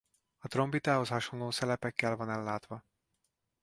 A trombitához hasonló szelepekkel van ellátva.